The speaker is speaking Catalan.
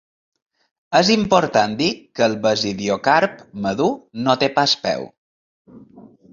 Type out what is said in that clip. És important dir que el basidiocarp madur no té pas peu.